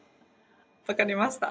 分かりました。